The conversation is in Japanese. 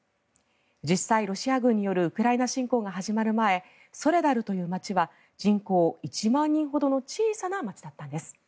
実際ロシア軍によるウクライナ侵攻が始まる前ソレダルという街は人口１万人ほどの小さな街だったんです。